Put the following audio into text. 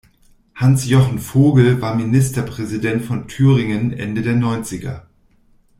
Hans-Jochen Vogel war Ministerpräsident von Thüringen Ende der Neunziger.